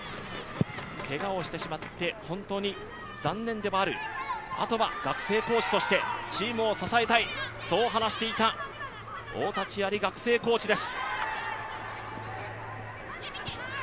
けがをしてしまって本当に残念ではあるあとは学生コーチとしてチームを支えたい、そう話していた太田千満学生コーチです。